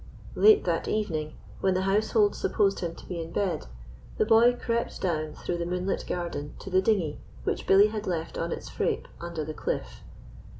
Late that evening, when the household supposed him to be in bed, the boy crept down through the moonlit garden to the dinghy which Billy had left on its frape under the cliff.